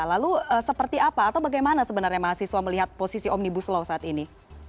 lalu seperti apa atau bagaimana sebenarnya mahasiswa melihat posisi omnibus law saat ini